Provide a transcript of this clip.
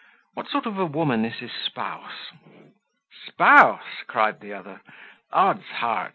What sort of a woman is his spouse?" "Spouse!" cried the other; "odds heart!